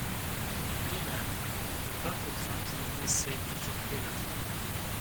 De même, le peuple craint qu'il n'essaie d'usurper le trône.